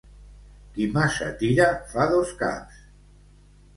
Qui massa tira fa dos caps.